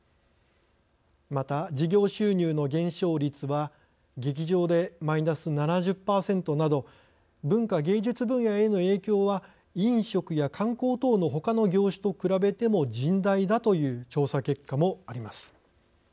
また事業収入の減少率は劇場でマイナス７０％など文化芸術分野への影響は飲食や観光等のほかの業種と比べても甚大だという調査結果もあります。